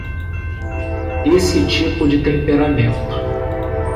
Esse tipo de temperamento